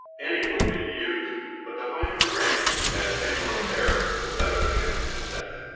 Any wood ANTRAL may be used, but the finer the grain (as maple or pear) the better the chance of success.